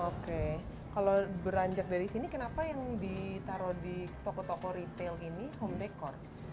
oke kalau beranjak dari sini kenapa yang ditaruh di toko toko retail ini home decor